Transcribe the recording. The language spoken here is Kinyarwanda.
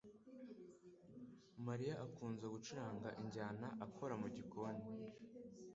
Mariya akunze gucuranga injyana akora mugikoni.